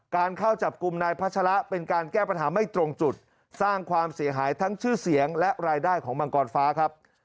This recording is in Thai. การเข้าจับกลุ่มนายพัชระเป็นการแก้ปัญหาไม่ตรงจุดสร้างความเสียหายทั้งชื่อเสียงและรายได้ของมังกรฟ้าครับ